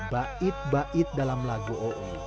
bait bait dalam lagu oi